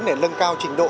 để lân cao trình độ